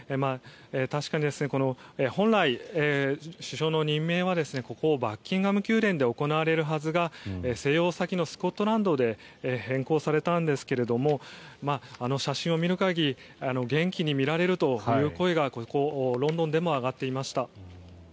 確かに本来、首相の任命はここバッキンガム宮殿で行われるはずが静養先のスコットランドに変更されたんですが写真を見る限り元気に見られるという声がここ、ロンドンでも上がっていました。